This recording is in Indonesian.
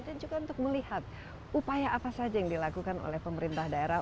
juga untuk melihat upaya apa saja yang dilakukan oleh pemerintah daerah